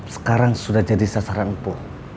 sekarang sudah jadi sasaran pool